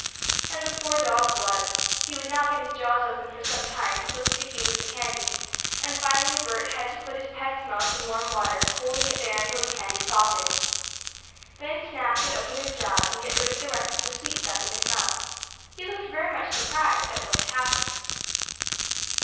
And the poor dog was. He would not get his jaws open for some time, so sticky was the candy, and finally Bert had to put his pet's mouth in warm water, holding it there until the candy softened. Then Snap could open his jaws, and get rid of the rest of the sweet stuff in his mouth. He looked very much surprised at what had happened.